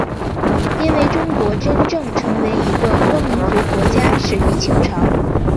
因为中国真正成为一个多民族国家始于清朝。